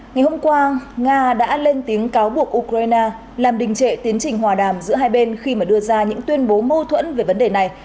ngày hôm qua nga đã lên tiếng cáo buộc ukraine làm đình trệ tiến trình hòa đàm giữa hai bên khi mà đưa ra những tuyên bố mâu thuẫn về vấn đề này